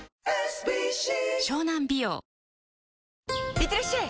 いってらっしゃい！